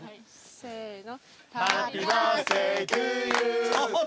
せの。